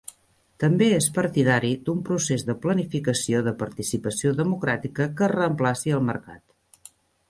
També és partidari d'un procés de planificació de participació democràtica que reemplaci el mercat.